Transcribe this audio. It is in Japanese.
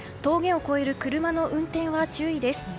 峠を越える車の運転は注意です。